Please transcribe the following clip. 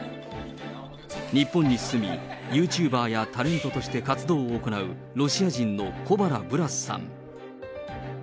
日本に住み、ユーチューバーやタレントとして活動を行う、ロシア人の小原ブラスさん。